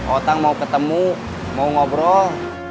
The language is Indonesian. orang mau ketemu mau ngobrol